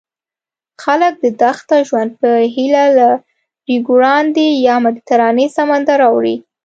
خلک د ښه ژوند په هیله له ریوګرانډي یا مدیترانې سمندر اوړي.